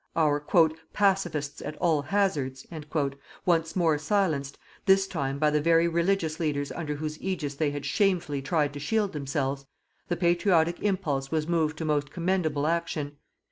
Our "pacifists at all hazards" once more silenced, this time by the very religious leaders under whose ægis they had shamefully tried to shield themselves, the patriotic impulse was moved to most commendable action.